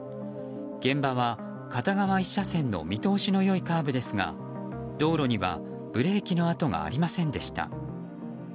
現場は片側１車線の見通しの良いカーブですが道路にはブレーキの痕がありませんでした。